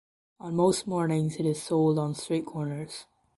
On most mornings it is sold on street corners.